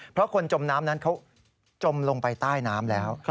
เพราะคนจมน้ำนั้นเขาจมลงไปใต้น้ำแล้ว